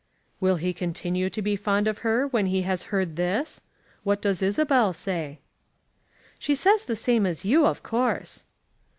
"Will he continue to be fond of her when he has heard this? What does Isabel say?" "She says the same as you, of course."